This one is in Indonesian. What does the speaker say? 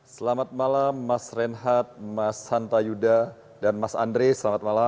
selamat malam mas renhat mas hanta yuda dan mas andre selamat malam